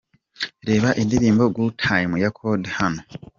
Reba indirimbo ’Good Time’ ya Kode hano: .